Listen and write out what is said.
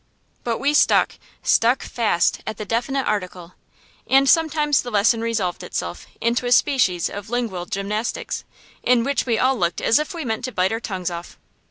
But we stuck stuck fast at the definite article; and sometimes the lesson resolved itself into a species of lingual gymnastics, in which we all looked as if we meant to bite our tongues off.